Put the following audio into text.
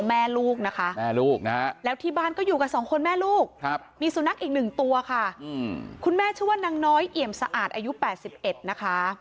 มีสุนัขอีกหนึ่งตัวค่ะคุณแม่ชื่อว่านางน้อยเอี่ยมสะอาดอายุ๘๑นะคะ